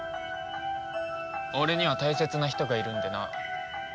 俺には大切な人がいるんでな。